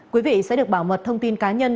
quý vị sẽ được bảo mật thông tin cá nhân